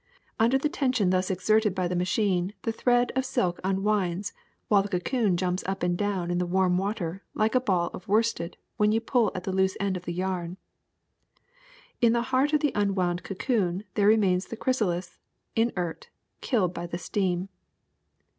Under the tension thus exerted by the ma chine, the thread of silk unwinds while the cocoon jumps up and down in the warm water like a ball of worsted when you pull at the loose end of the yarn. In the heart of the unwound cocoon there re mains the chrysalis, inert, killed by the steam.